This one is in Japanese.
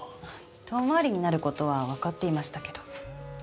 遠回りになる事はわかっていましたけど。